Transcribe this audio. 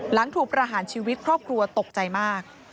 หลังถูกประหารชีวิตครอบครัวตกใจมาก